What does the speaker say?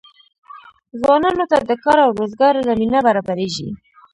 ځوانانو ته د کار او روزګار زمینه برابریږي.